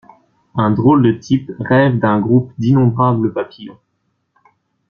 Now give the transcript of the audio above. Un drôle de type rêve d'un groupe d'innombrables papillons.